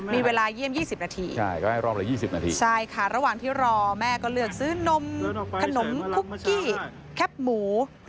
มีเวลาเยี่ยม๒๐นาทีใช่ก็ให้รอบละ๒๐นาทีใช่ค่ะระหว่างที่รอแม่ก็เลือกซื้อนมขนมคุกกี้แคปหมู